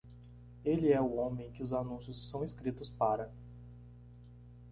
Ele é o homem que os anúncios são escritos para.